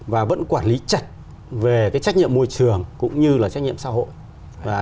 và vẫn quản lý chặt về cái trách nhiệm môi trường cũng như là trách nhiệm xã hội